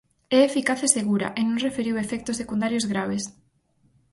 É eficaz e segura, e non referiu efectos secundarios graves.